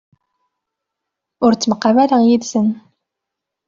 Ur ttemqabaleɣ yid-sen.